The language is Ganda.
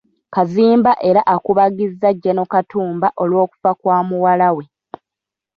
Kazimba era akubagizza General Katumba olw'okufa kwa muwala we.